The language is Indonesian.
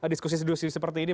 diskusi sedusir seperti ini